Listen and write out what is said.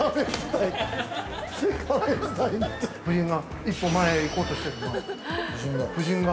◆夫人が一歩前へ行こうとしてる夫人が。